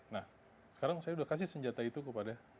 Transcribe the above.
nah sekarang saya sudah kasih senjata itu kepada